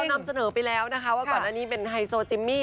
นำเสนอไปแล้วนะคะว่าก่อนอันนี้เป็นไฮโซจิมมี่